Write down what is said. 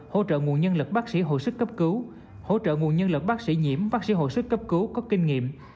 hỗ trợ nguồn nhân lực bác sĩ hội sức cấp cứu hỗ trợ nguồn nhân lực bác sĩ nhiễm bác sĩ hội sức cấp cứu có kinh nghiệm